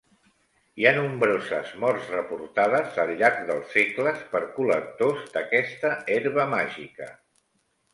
Hi ha nombroses morts reportades al llarg dels segles per col·lectors d'aquesta herba màgica.